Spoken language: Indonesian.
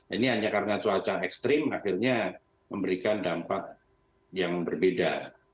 ini hanya karena cuaca ekstrim akhirnya memberikan dampak yang berbeda